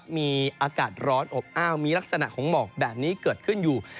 มีอากาศร้อนอบอ้าวมีลักษณะของหมอกแบบนี้เกิดขึ้นอยู่